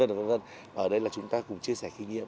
ở đây là chúng ta cùng chia sẻ kinh nghiệm